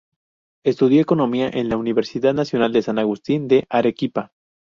Estudió Economía en la Universidad Nacional de San Agustín de Arequipa.